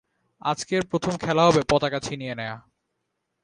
আজকের, প্রথম খেলা হবে পতাকা ছিনিয়ে নেয়া।